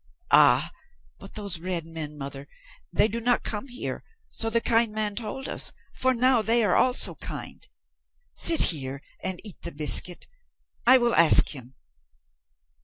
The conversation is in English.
"Ah, but those red men, mother, they do not come here, so the kind man told us, for now they are also kind. Sit here and eat the biscuit. I will ask him."